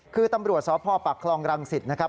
คือตำรวจสพปักคลองรังสิตนะครับ